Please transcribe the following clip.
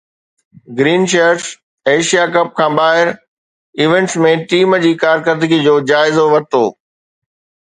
green shirts Asia Cup کان ٻاهر events ۾ team جي ڪارڪردگي جو جائزو ورتو